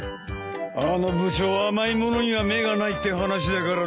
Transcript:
あの部長は甘い物には目がないって話だからね。